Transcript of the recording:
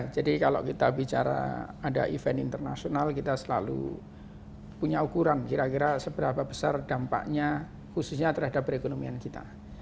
jadi kalau kita bicara ada event internasional kita selalu punya ukuran kira kira seberapa besar dampaknya khususnya terhadap perekonomian kita